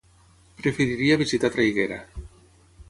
Preferiria visitar Traiguera.